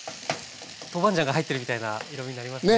豆板醤が入ってるみたいな色みになりますね。